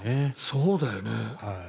そうだよね。